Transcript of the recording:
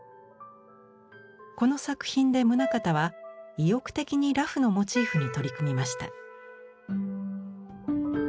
この作品で棟方は意欲的に裸婦のモチーフに取り組みました。